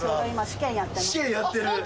試験やってる！